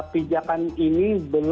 pijakan ini belum berhasil